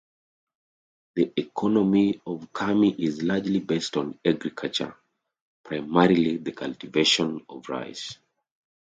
The economy of Kami is largely based on agriculture, primarily the cultivation of rice.